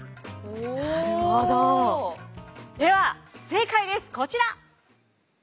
では正解ですこちら！